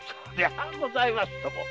ございますとも。